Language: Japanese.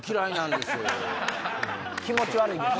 気持ち悪いですね。